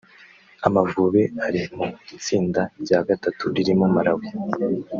Amavubi ari mu itsinda rya gatatu ririmo Malawi